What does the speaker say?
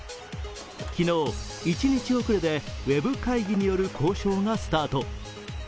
昨日、一日遅れでウェブ会議による交渉がスタート。